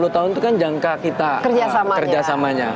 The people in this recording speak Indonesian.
dua puluh tahun itu kan jangka kita kerjasamanya